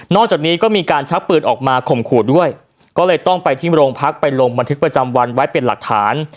จากนี้ก็มีการชักปืนออกมาข่มขู่ด้วยก็เลยต้องไปที่โรงพักไปลงบันทึกประจำวันไว้เป็นหลักฐาน